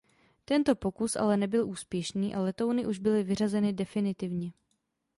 Tento pokus ale nebyl úspěšný a letouny už byly vyřazeny definitivně.